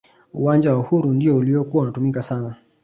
uwanja wa uhuru ndiyo uliyokuwa unatumika sana